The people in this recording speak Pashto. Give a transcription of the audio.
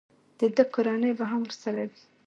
د ده کورنۍ به هم ورسره وي.